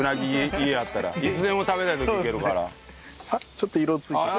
ちょっと色付いてきた。